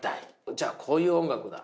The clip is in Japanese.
じゃあこういう音楽だ。